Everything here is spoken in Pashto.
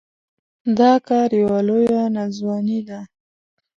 دا کار يوه لويه ناځواني ده.